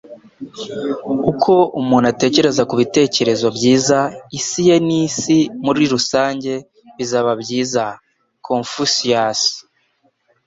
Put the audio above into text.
Uko umuntu atekereza ku bitekerezo byiza, isi ye n'isi muri rusange bizaba byiza.” - Confucius